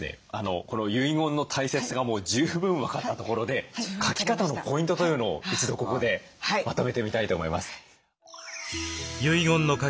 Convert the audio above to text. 十分分かったところで書き方のポイントというのを一度ここでまとめてみたいと思います。